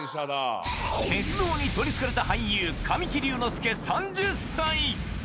鉄道に取りつかれた俳優、神木隆之介３０歳。